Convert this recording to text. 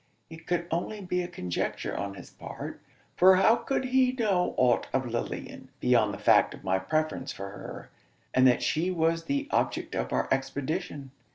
It could only be a conjecture on his part: for how could he know ought of Lilian, beyond the fact of my preference for her, and that she was the object of our expedition?